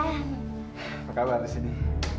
apa kabar disini